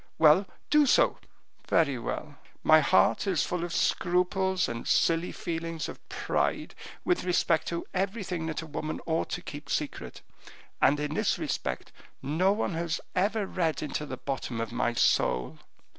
"Well, do so." "Very well; my heart is full of scruples and silly feelings of pride, with respect to everything that a woman ought to keep secret, and in this respect no one has ever read into the bottom of my soul."